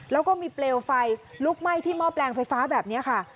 แล้วก็มีเปลวไฟลุกไหม้ที่หม้อแปลงไฟฟ้าแบบนี้ค่ะ